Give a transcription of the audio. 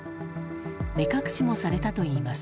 目隠しもされたといいます。